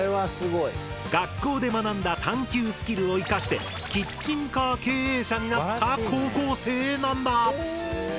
学校で学んだ探究スキルを生かしてキッチンカー経営者になった高校生なんだ！